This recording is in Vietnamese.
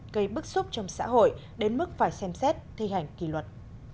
gây bức xúc trong xã hội đến mức phải xem xét thi hành kỳ luật